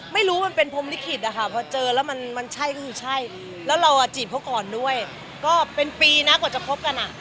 ไม่รู้มันเป็นพรมฤทธิภาพค่ะ